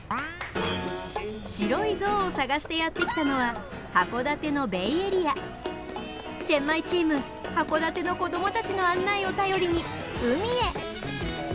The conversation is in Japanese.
白い像を探してやって来たのはチェンマイチーム函館の子どもたちの案内を頼りに海へ。